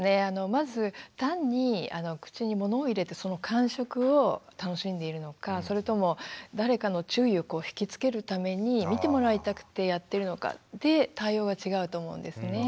まず単に口に物を入れてその感触を楽しんでいるのかそれとも誰かの注意をひきつけるために見てもらいたくてやってるのかで対応が違うと思うんですね。